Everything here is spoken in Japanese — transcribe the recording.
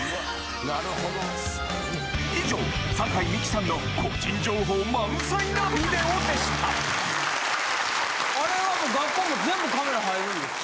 以上酒井美紀さんの個人情報満載のビデオでしたあれは学校も全部カメラ入るんですか？